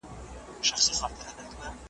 د فارابي نظر د ابن خلدون سره ورته دی.